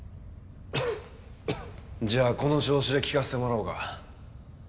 じゃあこの調子で聞かせてもらおうか。